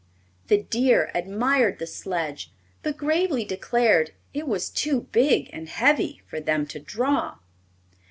The deer admired the sledge, but gravely declared it was too big and heavy for them to draw.